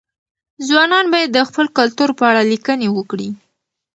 ځوانان باید د خپل کلتور په اړه لیکني وکړي.